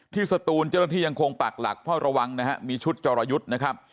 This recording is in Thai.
สตูนเจ้าหน้าที่ยังคงปักหลักเฝ้าระวังนะฮะมีชุดจรยุทธ์นะครับ